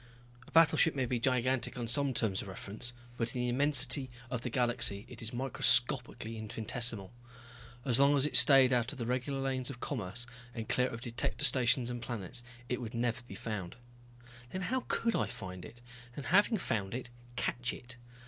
A battleship may be gigantic on some terms of reference, but in the immensity of the galaxy it is microscopically infinitesimal. As long as it stayed out of the regular lanes of commerce, and clear of detector stations and planets, it would never be found. Then how could I find it and having found it, catch it?